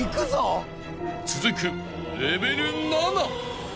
［続くレベル７］